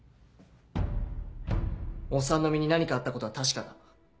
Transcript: おっさんの身に何かあったことは確かだ。